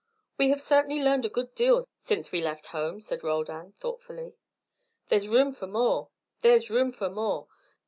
"We have certainly learned a good deal since we left home," said Roldan, thoughtfully. "There's room for more. There's room for more.